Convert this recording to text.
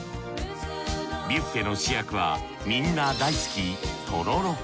ビュッフェの主役はみんな大好きとろろ。